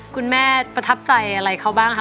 คุณแม่ประทับใจอะไรเขาบ้างคะ